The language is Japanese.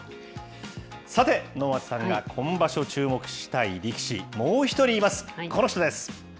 さて、能町さんが今場所注目したい力士、もう１人います、この人です。